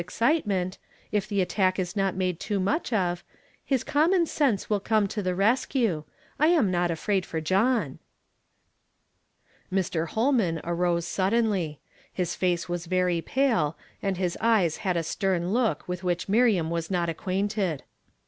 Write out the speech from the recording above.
excitement — if the attack is not made too much of — his common sense will come to the rescue. I am not afraid for John." Mr. liolman arose suddenly. His face was very pale, and his eyes had a stern look with which Miriam was not acquainted.